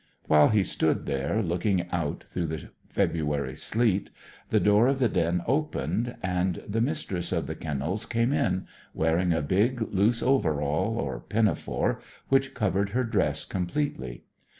While he stood there, looking out through the February sleet, the door of the den opened, and the Mistress of the Kennels came in, wearing a big, loose overall, or pinafore, which covered her dress completely.